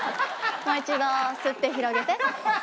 もう一度吸って広げて。